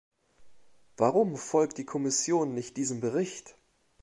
Warum folgt die Kommission nicht diesem Bericht?